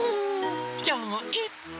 きょうもいっぱい。